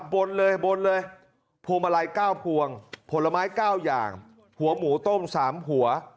บนเลยบนเลยพวงมาลัยเก้าพวงผลไม้เก้าอย่างหัวหมูต้มสามหัว